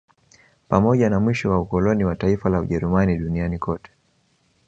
Pamoja na mwisho wa ukoloni wa taifa la Ujerumani duniani kote